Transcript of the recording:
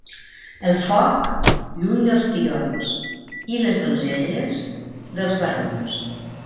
El foc, lluny dels tions, i les donzelles, dels barons.